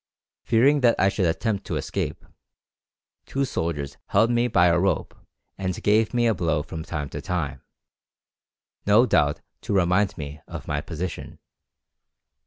Fearing that I should attempt to escape, two soldiers held me by a rope and gave me a blow from time to time, no doubt to remind me of my position.